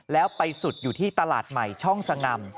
แล้วไปสุดอยู่ที่ตลาดใหม่ช่องสง่ำ